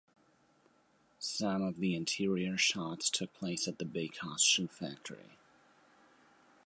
Some of the interior shots took place at the Beykoz Shoe Factory.